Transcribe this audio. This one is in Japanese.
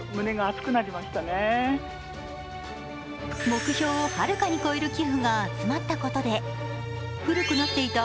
目標をはるかに超える寄付が集まったことで古くなっていた